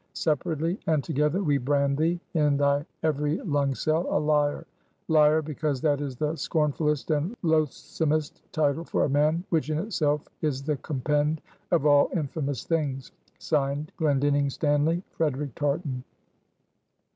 Separately, and together, we brand thee, in thy every lung cell, a liar; liar, because that is the scornfullest and loathsomest title for a man; which in itself is the compend of all infamous things. (Signed) GLENDINNING STANLY, FREDERIC TARTAN."